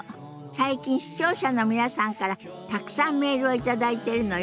最近視聴者の皆さんからたくさんメールを頂いてるのよ。